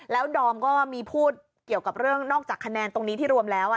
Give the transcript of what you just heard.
แล้วดอมก็มีพูดเกี่ยวกับเรื่องนอกจากคะแนนตรงนี้ที่รวมแล้ว